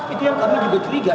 itu yang kami juga curiga